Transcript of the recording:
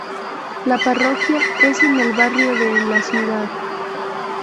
La parroquia es en el barrio de en la Ciudad.